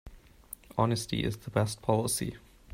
Honesty is the best policy.